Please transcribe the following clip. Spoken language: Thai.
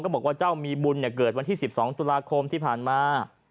บอกว่าเจ้ามีบุญเกิดวันที่๑๒ตุลาคมที่ผ่านมา